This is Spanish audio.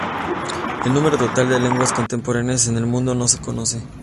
El número total de lenguas contemporáneas en el mundo no se conoce.